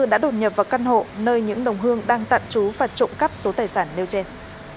đã đột nhập vào căn hộ nơi những đồng hương đang tạm trú và trộm cắp số tài sản nêu trên